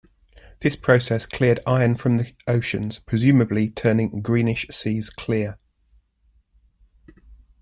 This process cleared iron from the oceans, presumably turning greenish seas clear.